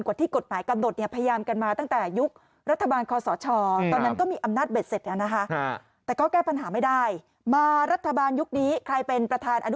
กว่าที่กฎหมายกำหนดเนี่ยพยายามกันมาตั้งแต่อายุ